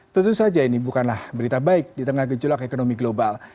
tentu saja ini bukanlah berita baik di tengah gejolak ekonomi global